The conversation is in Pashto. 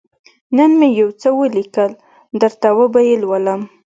_نن مې يو څه ولېکل، درته وبه يې لولم.